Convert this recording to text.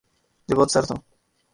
جو بہت سرد ہوں